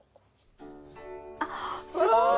あすごい！